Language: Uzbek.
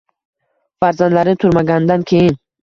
Farzandlari turmagandan keyin